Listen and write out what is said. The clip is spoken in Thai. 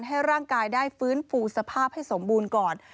ให้ร่างกายได้ฟื้นฟูสภาพให้สมบูรณ์ก่อน